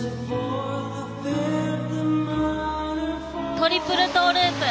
トリプルトーループ。